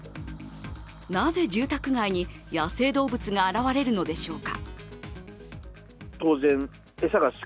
なぜ、住宅街に野生動物が現れるのでしょうか。